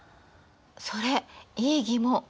それいい疑問！